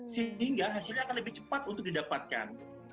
sehingga hasilnya akan lebih cepat untuk didapatkan